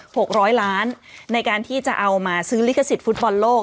หกร้อยล้านในการที่จะเอามาซื้อลิขสิทธิฟุตบอลโลก